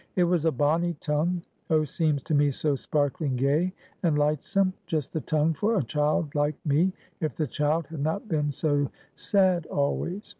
It was a bonny tongue; oh, seems to me so sparkling gay and lightsome; just the tongue for a child like me, if the child had not been so sad always.